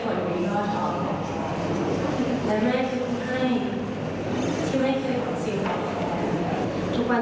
เพราะลูกเชื่อว่าถึงแม้ว่าวันหลายที่่านจะไม่ได้อยู่ใกล้กัน